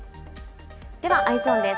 では、Ｅｙｅｓｏｎです。